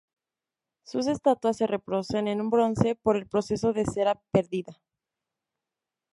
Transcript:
Sus estatuas se reproducen en bronce por el proceso de cera perdida.